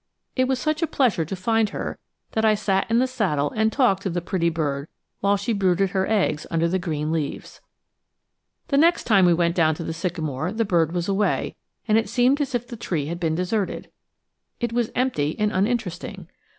It was such a pleasure to find her that I sat in the saddle and talked to the pretty bird while she brooded her eggs under the green leaves. The next time we went down to the sycamore the bird was away, and it seemed as if the tree had been deserted. It was empty and uninteresting.